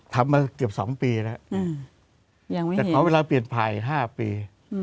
ทำมาเกือบ๒ปีแล้วแต่ขอเวลาเปลี่ยนภาย๕ปี